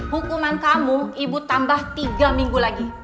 hukuman kamu ibu tambah tiga minggu lagi